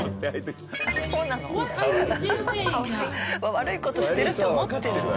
悪い事してるって思ってるんだ。